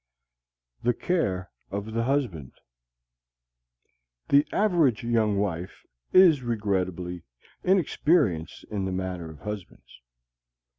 THE CARE OF THE HUSBAND The average young wife is regrettably inexperienced in the matter of husbands.